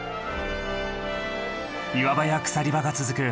岩場や鎖場が続く